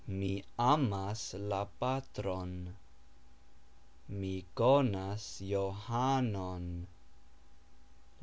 Mi amas la patron. Mi konas Johanon.